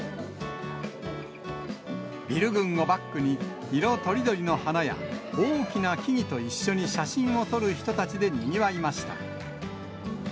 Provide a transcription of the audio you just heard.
ビル群をバックに、色とりどりの花や大きな木々と一緒に写真を撮る人たちでにぎわいました。